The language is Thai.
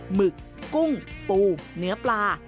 หึกกุ้งปูเนื้อปลา